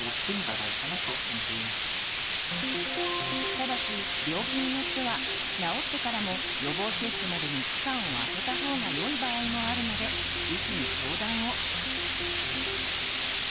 ただし病気によっては治ってからも予防接種までに期間をあけた方がよい場合もあるので医師に相談を。